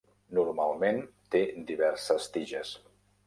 Normalment té diverses tiges.